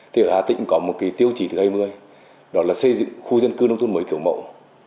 thì ở hà tĩnh có một cái tiêu chí thứ hai mươi đó là xây dựng khu dân cư nông thôn mới kiểu mẫu